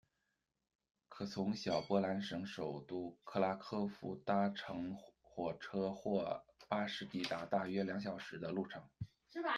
可从小波兰省首都克拉科夫搭乘火车或巴士抵达，大约两个小时的路程。